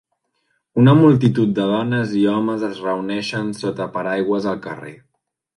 Una multitud de dones i homes es reuneixen sota paraigües al carrer